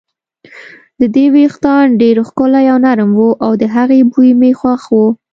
د دې وېښتان ډېر ښکلي او نرم وو، د هغې بوی مې خوښ و.